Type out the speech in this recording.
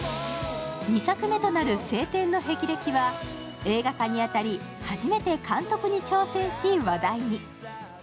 ２作目となる「青天の霹靂」は映画化に当たり初めて監督に挑戦し話題に。